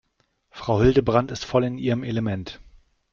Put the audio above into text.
Frau Hildebrand ist voll in ihrem Element.